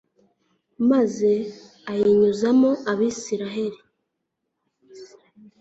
maze ayinyuzamo abayisraheli